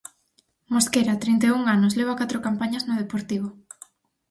Mosquera, trinta e un anos, leva catro campañas no Deportivo.